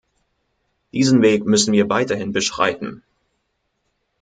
Diesen Weg müssen wir weiterhin beschreiten.